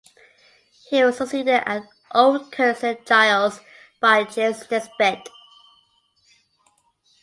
He was succeeded at Old Kirk St Giles by James Nisbet.